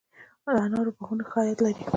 د انارو باغونه ښه عاید لري؟